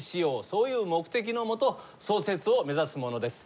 そういう目的のもと創設を目指すものです。